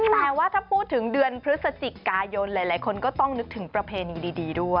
แต่ว่าถ้าพูดถึงเดือนพฤศจิกายนหลายคนก็ต้องนึกถึงประเพณีดีด้วย